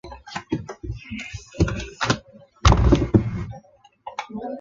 热通量密度是单位时间内流过单位面积的热量。